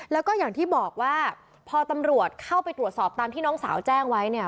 แล้วก็อย่างที่บอกว่าพอตำรวจเข้าไปตรวจสอบตามที่น้องสาวแจ้งไว้เนี่ย